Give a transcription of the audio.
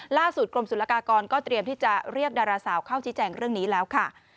กรมศุลกากรก็เตรียมที่จะเรียกดาราสาวเข้าชี้แจงเรื่องนี้แล้วค่ะ